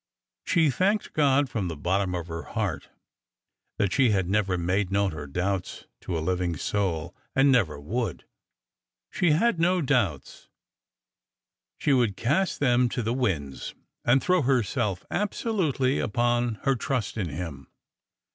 She thanked God from the bottom of her heart that she had never made known her doubts to a living soul. And never 264 ORDER NO. 11 would ! She had no doubts ! She would cast them to the winds and throw herself absolutely upon her trust in him.